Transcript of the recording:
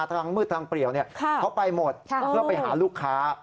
ทางมืดทางเปรียวเขาไปหมดเพื่อไปหาลูกค้า